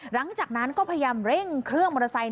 หลังจากนั้นก็พยายามเร่งเครื่องมอเตอร์ไซค์